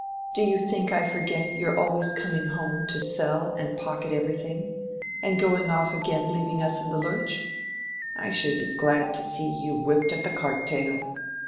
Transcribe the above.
Do you think I forget your always coming home to sell and pocket everything, and going off again leaving us in the lurch? I should be glad to see you whipped at the cart tail.